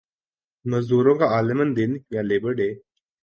مزدور کا عالمی دن یا لیبر ڈے